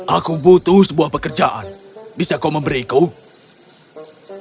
aku butuh sebuah pekerjaan bisa kau memberiku